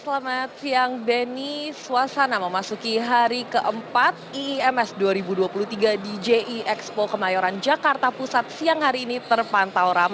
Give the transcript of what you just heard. terpantau tahun ini indonesia international motor show atau iems digelar di jxpo kemayoran jakarta pusat